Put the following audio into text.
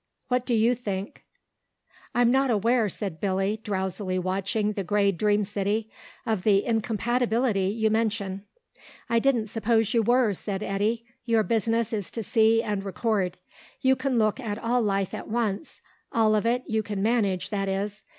What do you think?" "I'm not aware," said Billy, drowsily watching the grey dream city, "of the incompatibility you mention." "I didn't suppose you were," said Eddy. "Your business is to see and record. You can look at all life at once all of it you can manage, that is.